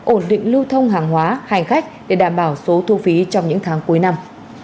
ổn định lưu thông hàng hóa hành khách để đảm bảo số thu phí trong những tháng cuối năm